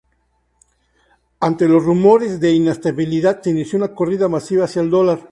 Ante los rumores de inestabilidad, se inició una corrida masiva hacia el dólar.